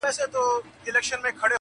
نور درته ټیټ شمه سجدې وکړم که څه وکړمه